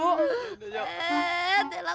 eh tidak lah